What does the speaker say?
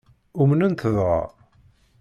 Umnen-tt dɣa?